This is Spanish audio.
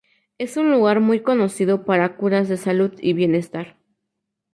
Es un lugar muy conocido para curas de salud y bienestar.